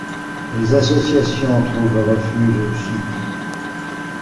Les associations trouvent refuge au Chili.